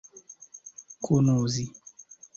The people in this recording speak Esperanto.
kunuzi